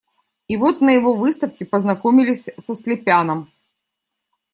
И вот на его выставке познакомились со Слепяном.